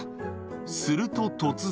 すると突然。